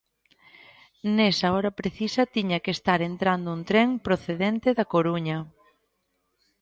Nesa hora precisa tiña que estar entrando un tren procedente da Coruña.